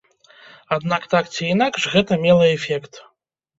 Аднак, так ці інакш, гэта мела эфект.